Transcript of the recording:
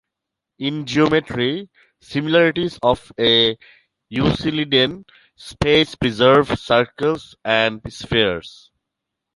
In geometry, similarities of a Euclidean space preserve circles and spheres.